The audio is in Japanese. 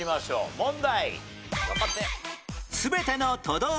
問題。